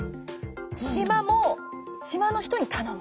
島も島の人に頼む。